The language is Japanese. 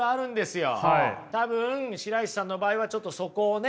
多分白石さんの場合はちょっとそこをね